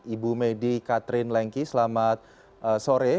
ibu medi katrin lengki selamat sore